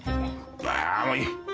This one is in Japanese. ああもういい！